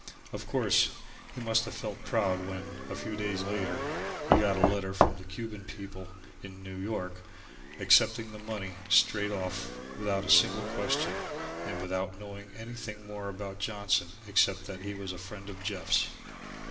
Of course, he must have felt proud when, a few days later, he got a letter from the Cuban people, from New York, accepting the money straight off without a single question, and without knowing anything more of Johnson except that he was a friend of Jeff's.